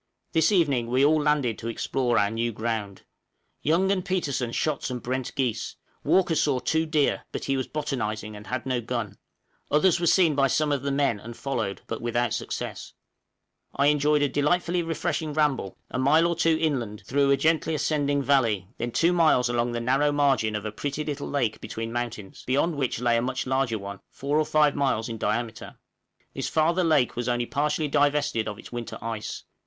This evening we all landed to explore our new ground. Young and Petersen shot some brent geese; Walker saw two deer, but he was botanizing, and had no gun; others were seen by some of the men, and followed, but without success. {RAMBLE INLAND.} I enjoyed a delightfully refreshing ramble, a mile or two inland, through a gently ascending valley, then two miles along the narrow margin of a pretty little lake between mountains, beyond which lay a much larger one, four or five miles in diameter; this farther lake was only partially divested of its winter ice.